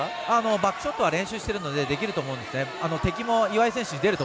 バックショットは練習しているのでできると思います。